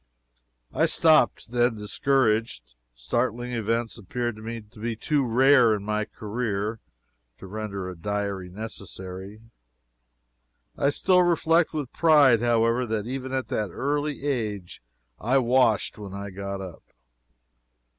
I stopped, then, discouraged. Startling events appeared to be too rare, in my career, to render a diary necessary. I still reflect with pride, however, that even at that early age I washed when I got up.